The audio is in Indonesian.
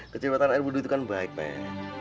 kecipratan air buduh itu kan baik pak ya